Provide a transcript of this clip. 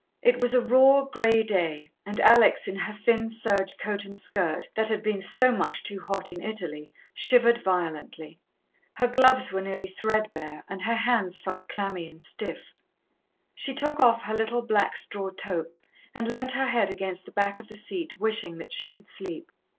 It was a raw, grey day, and Alex, in her thin serge coat and skirt, that had been so much too hot in Italy, shivered violently. Her gloves were nearly thread bare and her hands felt clammy and stiff. She took off her little black straw toque and leant her head against the back of the seat, wishing that she could sleep.